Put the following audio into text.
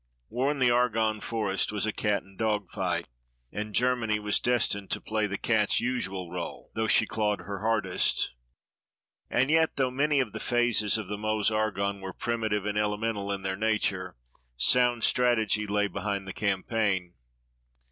War in the Argonne Forest was a cat and dog fight, and Germany was destined to play the cat's usual rôle, though she clawed her hardest. And yet though many of the phases of the Meuse Argonne were primitive and elemental in their nature, sound strategy lay behind the campaign.